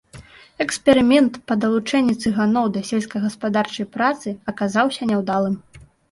Эксперымент па далучэнні цыганоў да сельскагаспадарчай працы аказаўся няўдалым.